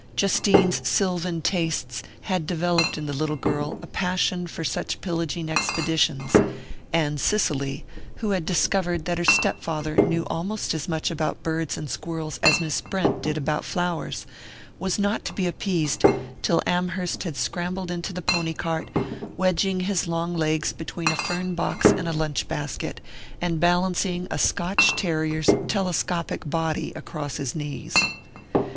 Justine's sylvan tastes had developed in the little girl a passion for such pillaging expeditions, and Cicely, who had discovered that her step father knew almost as much about birds and squirrels as Miss Brent did about flowers, was not to be appeased till Amherst had scrambled into the pony cart, wedging his long legs between a fern box and a lunch basket, and balancing a Scotch terrier's telescopic body across his knees.